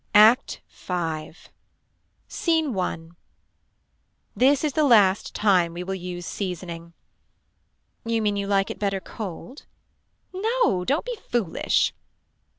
Act 5. Scene 1. This is the last time we will use seasoning. You mean you like it better cold. No don't be foolish.